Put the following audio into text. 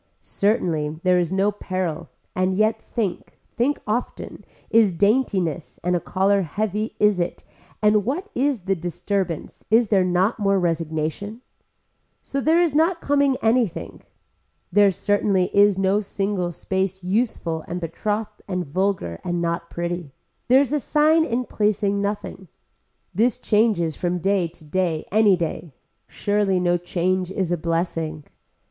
Certainly there is no peril and yet think, think often, is daintiness and a collar heavy is it and what is the disturbance, is there not more registration. So there is not coming anything. There certainly is no single space useful and betrothed and vulgar and not pretty. There is a sign in placing nothing. This changes from day to day any day. Surely no change is a blessing.